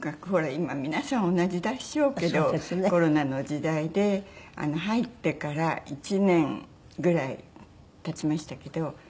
今皆さん同じでしょうけどコロナの時代で入ってから１年ぐらい経ちましたけど２回か。